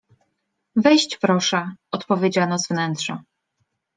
Wejść proszę! — odpowiedziano z wnętrza.